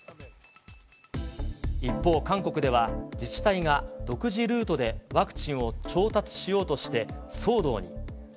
一方、韓国では、自治体が独自ルートでワクチンを調達しようとして騒動に。